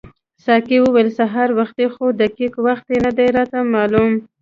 ساقي وویل سهار وختي خو دقیق وخت یې نه دی راته معلوم.